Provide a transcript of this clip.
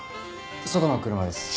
外の車です。